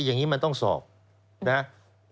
อย่างนี้มันต้องอันทรีย์สอบ